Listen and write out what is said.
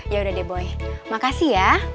ya udah deh boy makasih ya